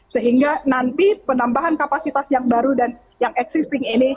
sehingga nanti penambahan kapasitas yang baru dan yang existing ini